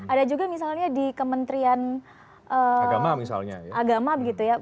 ada juga misalnya di kementerian agama begitu ya